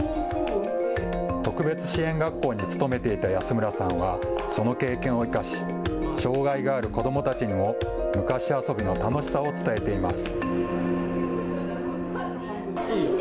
特別支援学校に勤めていた安村さんはその経験を生かし障害がある子どもたちにも昔遊びの楽しさを伝えています。